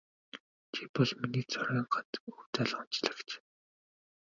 Чи бол миний цорын ганц өв залгамжлагч.